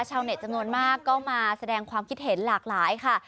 ชาวเน็ตจำนวนมากก็มาแสดงความคิดเห็นหลากหลายค่ะ